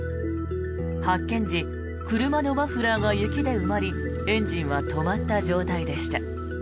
発見時、車のマフラーが雪で埋まりエンジンは止まった状態でした。